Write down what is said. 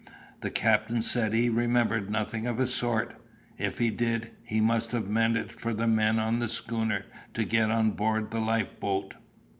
The captain said he remembered nothing of the sort. If he did, he must have meant it for the men on the schooner to get on board the lifeboat.